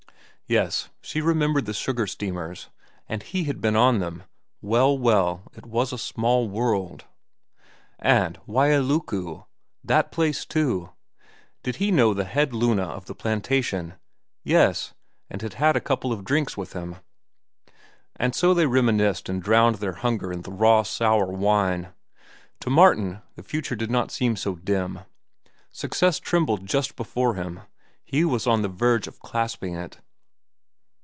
Yes, she remembered the sugar steamers, and he had been on them—well, well, it was a small world. And Wailuku! That place, too! Did he know the head luna of the plantation? Yes, and had had a couple of drinks with him. And so they reminiscenced and drowned their hunger in the raw, sour wine. To Martin the future did not seem so dim. Success trembled just before him. He was on the verge of clasping it.